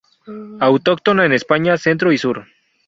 Autóctona en España centro y sur.